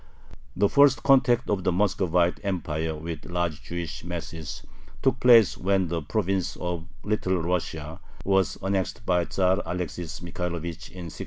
The first contact of the Muscovite Empire with large Jewish masses took place when the province of Little Russia was annexed by Tzar Alexis Michaelovich in 1654.